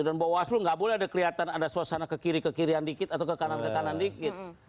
dan bahwa waslu enggak boleh ada kelihatan ada suasana ke kiri kirian dikit atau ke kanan kanan dikit